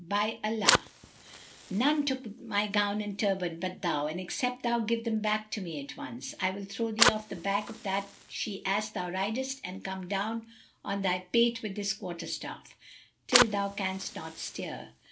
By Allah, none took my gown and turband but thou, and except thou give them back to me at once, I will throw thee off the back of that she ass thou ridest and come down on thy pate with this quarterstaff, till thou canst not stir!"